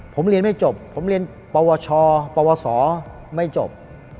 ผมเรียนไม่จบผมเรียนปวชปวสไม่จบ